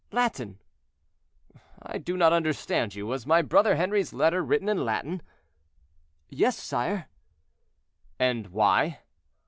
"Latin." "I do not understand you; was my brother Henri's letter written in Latin?" "Yes, sire." "And why?"